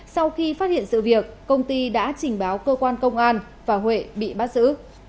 sau khi phát hiện sự việc công ty đã trình báo cơ quan công an và huệ bị bắt giữ